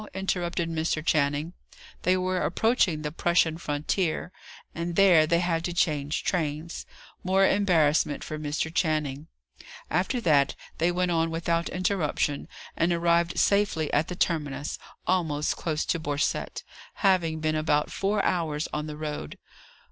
interrupted Mr. Channing. They were approaching the Prussian frontier; and there they had to change trains: more embarrassment for Mr. Channing. After that, they went on without interruption, and arrived safely at the terminus, almost close to Borcette, having been about four hours on the road.